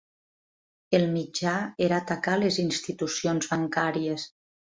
El mitjà era atacar les institucions bancàries.